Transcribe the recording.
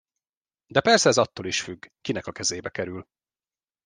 De persze ez attól is függ, kinek a kezébe kerül.